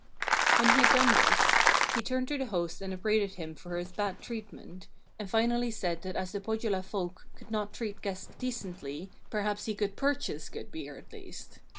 When he had done this, he turned to the host and upbraided him for his bad treatment, and finally said that as the Pohjola folk could not treat guests decently, perhaps he could purchase good beer at least.